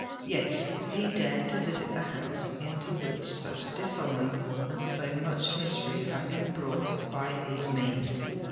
Yes—he dared to visit the house into which such dishonour and so much misery had been brought by his means.